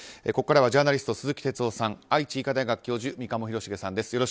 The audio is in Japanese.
ここからはジャーナリスト、鈴木哲夫さん愛知医科大学教授三鴨廣繁さんです。